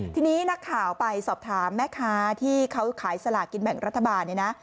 ทีนี้นักข่าวไปสอบถามแม่ค้าที่เขาขายสลากินแบ่งรัฐบาลเนี่ยนะ